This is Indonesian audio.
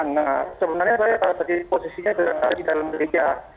nah sebenarnya saya pada saat ini posisinya di dalam gereja